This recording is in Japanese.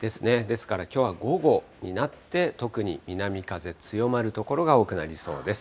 ですからきょうは午後になって、特に南風強まる所が多くなりそうです。